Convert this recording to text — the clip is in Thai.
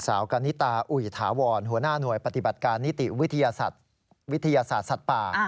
กันนิตาอุ๋ยถาวรหัวหน้าหน่วยปฏิบัติการนิติวิทยาศาสตร์สัตว์ป่า